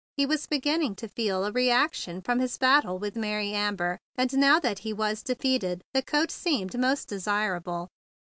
He was beginning to feel a reaction from his battle with Mary Amber, and now that he was defeated the coat seemed most desirable.